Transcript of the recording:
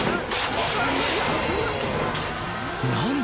何だ？